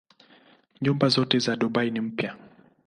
Nyumba zote za Dubai ni mpya.